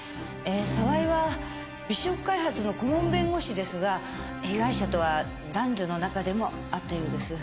澤井は美食開発の顧問弁護士ですが被害者とは男女の仲でもあったようです。